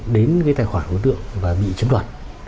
đến cái tài khoản của tượng và bị chấm đoạn